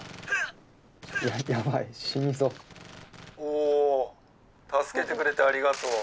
「お助けてくれてありがとう」